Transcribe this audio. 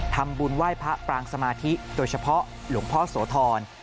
ทำบุญไหว้พระปรางสมาธิโดยเฉพาะหลวงพ่อโสธร